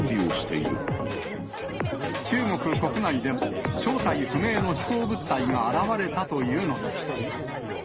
中国国内でも、正体不明の飛行物体が現れたというのです。